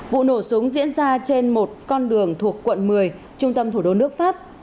vụ nổ súng diễn ra trên một con đường thuộc quận một mươi trung tâm thủ đô nước pháp